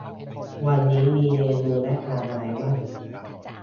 วันนี้มีเมนูแนะนำอะไรบ้าง